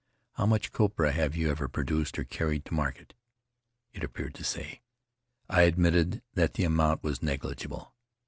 "How much copra have you ever produced or carried to market?' it appeared to say. I admitted that the amount was negligible.